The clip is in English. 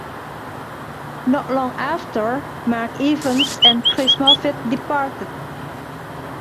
Not long after, Mark Evans and Chris Moffet departed.